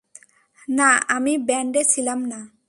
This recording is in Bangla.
না, আমি ব্যান্ডে ছিলাম না।